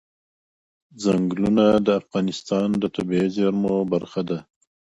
ځنګلونه د افغانستان د طبیعي زیرمو برخه ده.